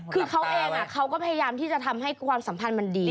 คือเขาเองเขาก็พยายามที่จะทำให้ความสัมพันธ์มันดี